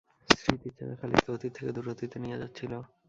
স্মৃতির চাকা খালিদকে অতীত থেকে দূর অতীতে নিয়ে যাচ্ছিল।